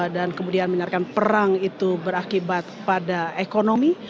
dan kemudian menarikan perang itu berakibat pada ekonomi